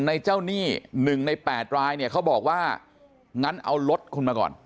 เจ้าหนี้๑ใน๘รายเนี่ยเขาบอกว่างั้นเอารถคุณมาก่อน